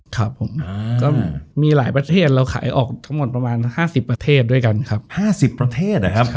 ครับผมก็มีหลายประเทศเราขายออกทั้งหมดประมาณ๕๐ประเทศด้วยกันครับ๕๐ประเทศนะครับ